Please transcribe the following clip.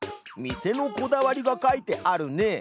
店のこだわりが書いてあるね。